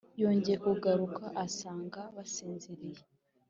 Yongeye kugaruka asanga basinziriye